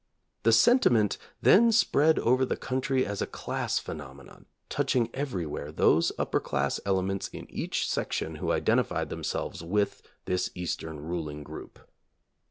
The sentiment then spread over the country as a class phenomenon, touching everywhere those upper class elements in each section who identified them selves with this Eastern ruling group.